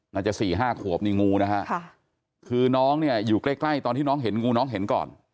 สี่ห้าขวบนี่งูนะฮะคือน้องเนี่ยอยู่ใกล้ใกล้ตอนที่น้องเห็นงูน้องเห็นก่อน